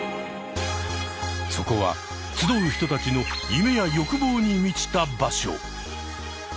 そこは集う人たちの夢や欲望に満ちた場所。